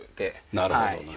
なるほどねえ。